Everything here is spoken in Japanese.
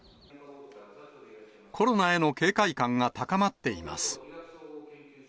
コロナへの警戒感が高まっています。